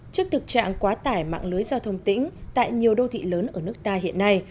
trước thực trạng quá tải mạng lưới giao thông tỉnh tại nhiều đô thị lớn ở nước ta hiện nay